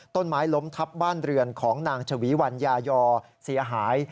ต้นไม้ล้มทับบ้านเรือนของนางชวีวันยายอเสียหาย